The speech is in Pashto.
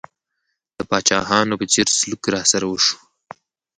د پاچاهانو په څېر سلوک راسره وشو.